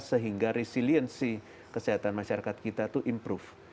sehingga resiliensi kesehatan masyarakat kita itu improve